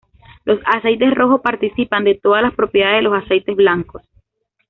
Los aceites rojos participan de todas las propiedades de los aceites blancos.